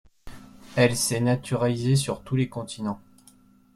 Elle s'est naturalisée sur tous les continents.